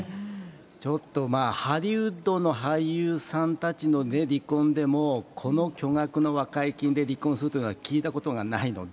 ちょっとハリウッドの俳優さんたちの離婚でも、この巨額の和解金で離婚するというのは聞いたことがないので。